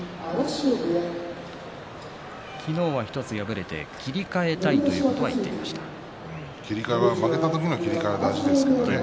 昨日は１つ敗れて切り替えたいということは負けた時の切り替えは大切ですね。